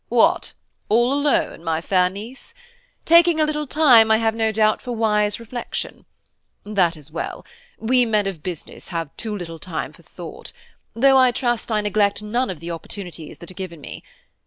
"What, all alone, my fair niece? taking a little time, I have no doubt, for wise reflection. That is well; we men of business have too little time for thought, though I trust I neglect none of the opportunities that are given me.